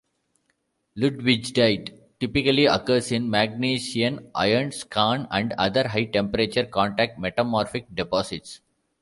Ludwigite typically occurs in magnesian iron skarn and other high temperature contact metamorphic deposits.